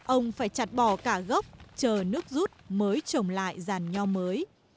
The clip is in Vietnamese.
ông phải chặt bỏ cả gốc chờ nước rút mới trồng lại ràn nhò mới